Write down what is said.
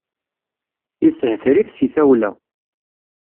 Yeshetrif si tawla.